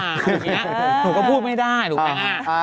อย่างนี้หนูก็พูดไม่ได้หนูไปอ่า